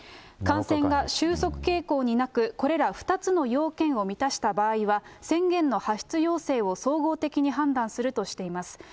感染が収束傾向になく、これら２つの要件を満たした場合は、宣言の発出要請を総合的に判断するとしています。